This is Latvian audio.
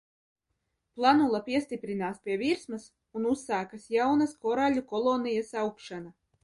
Planula piestiprinās pie virsmas un uzsākas jaunas koraļļu kolonijas augšana.